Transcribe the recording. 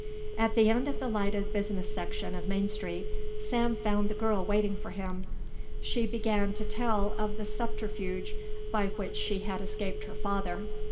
At the end of the lighted business section of Main Street, Sam found the girl waiting for him. She began to tell of the subterfuge by which she had escaped her father.